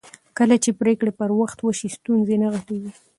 کله چې پرېکړې پر وخت وشي ستونزې نه غټېږي